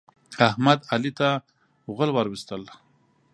احمد، علي ته غول ور وستل.